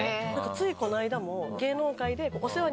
ついこの間も。